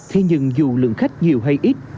thế nhưng dù lượng khách nhiều hay ít